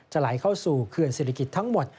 ไหลเข้าสู่เขื่อนศิริกิจทั้งหมด